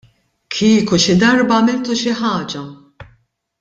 Kieku xi darba għamiltu xi ħaġa!